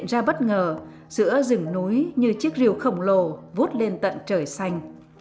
trời càng lúc càng tối dần